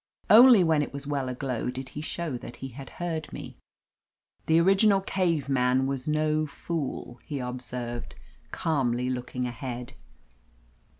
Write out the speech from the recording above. Only when it was well aglow did he show that he had heard me. "The original cave man was no fool," he ob served, calmly looking ahead.